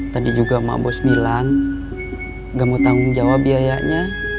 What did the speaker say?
tadi juga emak bos bilang gak mau tanggung jawab biayanya